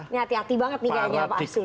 ini hati hati banget nih kayaknya pak arsul